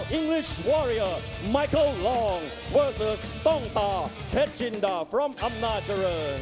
คุณพันที่อังกฤษมิคเคิลลองต่อไปกันกับต้องตาเพชรจินดาอำนาจริง